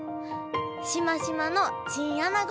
しましまのチンアナゴ。